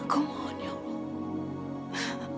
aku mohon ya allah